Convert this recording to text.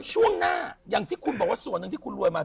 ช่วงหน้าอย่างที่คุณบอกว่าส่วนหนึ่งที่คุณรวยมา